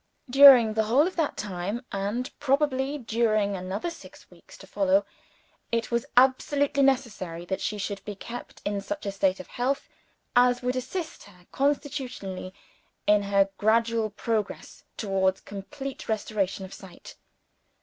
During the whole of that time, and probably during another six weeks to follow, it was absolutely necessary that she should be kept in such a state of health as would assist her, constitutionally, in her gradual progress towards complete restoration of sight.